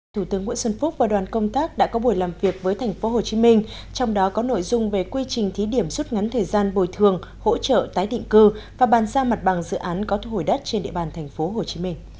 thủ tướng nguyễn xuân phúc và đoàn công tác đã có buổi làm việc với thành phố hồ chí minh trong đó có nội dung về quy trình thí điểm suốt ngắn thời gian bồi thường hỗ trợ tái định cư và bàn giao mặt bằng dự án có thu hồi đất trên địa bàn thành phố hồ chí minh